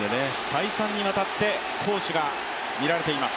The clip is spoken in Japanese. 再三にわたって好守が見られています。